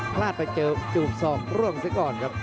พลาดไปเจอจูบศอกร่วงเสียก่อนครับ